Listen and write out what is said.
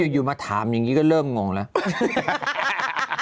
อยู่มาถามอย่างนี้ก็เริ่มงงแล้ว